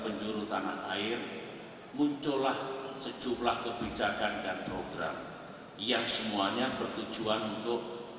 penjuru tanah air muncullah sejumlah kebijakan dan program yang semuanya bertujuan untuk